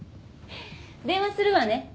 電話するわね。